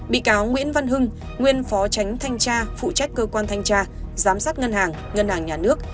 bị cáo nguyễn văn hưng nguyên phó tránh thanh tra phụ trách cơ quan thanh tra giám sát ngân hàng ngân hàng nhà nước